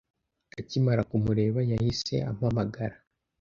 Akimara kumureba yahise ampamagara